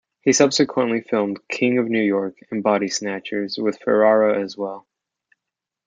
He subsequently filmed "King of New York" and "Body Snatchers" with Ferrara as well.